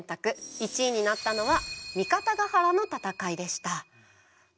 １位になったのは三方ヶ原の戦いでした。